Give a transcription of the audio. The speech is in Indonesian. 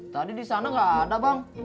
tadi di sana nggak ada bang